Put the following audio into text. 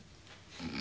うん？